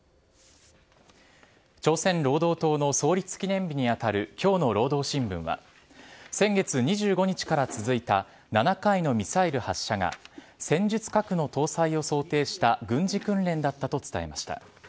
朝鮮労働党の創立記念日に当たるきょうの労働新聞は、先月２５日から続いた７回のミサイル発射が戦術核の搭載を想定した軍事訓練だったと伝えました。